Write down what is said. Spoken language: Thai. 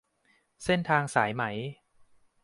เส้นทางสายไหม